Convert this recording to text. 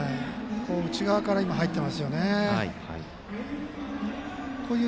内側から入ってますよね。